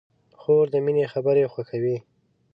خور د مینې خبرې خوښوي.